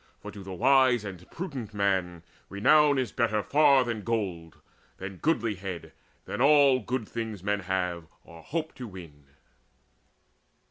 For to the wise and prudent man renown Is better far than gold, than goodlihead, Than all good things men have or hope to win.